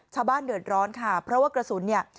ชาวบ้านเดือดร้อนค่ะเพราะว่ากระสุนเนี่ย